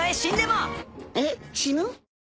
えっ死ぬ？